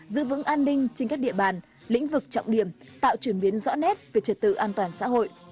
giữ vững an ninh trên các địa bàn lĩnh vực trọng điểm tạo chuyển biến rõ nét về trật tự an toàn xã hội